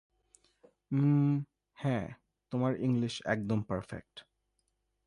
উম, হ্যাঁ, তোমার ইংলিশ একদম পারফেক্ট।